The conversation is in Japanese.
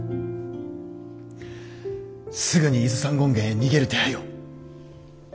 すぐに伊豆山権現へ逃げる手配を。